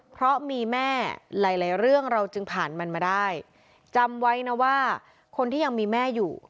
เพราะมีแม่หลายหลายเรื่องเราจึงผ่านมันมาได้จำไว้นะว่าคนที่ยังมีแม่อยู่